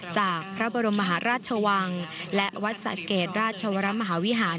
จากพระบรมมหาราชวังและวัดสะเกดราชวรมหาวิหาร